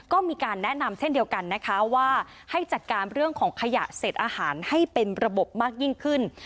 ก็มีการแนะนำเช่นเดียวกันนะคะว่าให้จัดการเรื่องของขยะเสร็จอาหารให้เป็นระบบมากยิ่งขึ้น